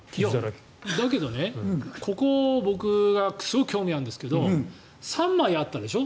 だけど、ここ僕すごい興味があるんですけど３枚あったでしょ。